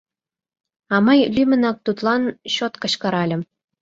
А мый лӱмынак тудлан чот кычкыральым: